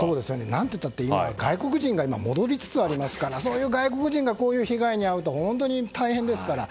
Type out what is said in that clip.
何ていったって外国人が戻りつつありますから外国人がこういう被害に遭うと本当に大変ですから。